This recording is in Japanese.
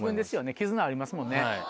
絆ありますもんね。